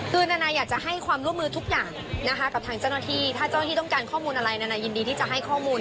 คือนานาอยากจะให้ความร่วมมือทุกอย่างนะคะกับทางเจ้าหน้าที่ถ้าเจ้าหน้าที่ต้องการข้อมูลอะไรนานายินดีที่จะให้ข้อมูล